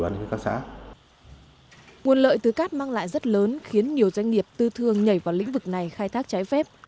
nguồn lợi từ cát mang lại rất lớn khiến nhiều doanh nghiệp tư thương nhảy vào lĩnh vực này khai thác trái phép